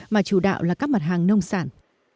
mà chủ đạo là các mặt hàng nông sản